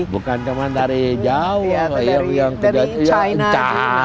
bukan cuma dari jawa dari china